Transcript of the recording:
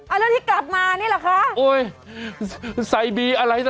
อ้าวแล้วที่กลับมานี่เหรอคะโอ๊ยไซบีอะไรน่ะ